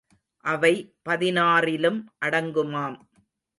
அவை பதினாறிலும் அடங்குமாம்.